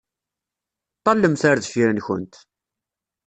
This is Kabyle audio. Ṭṭalemt ar deffir-nkent.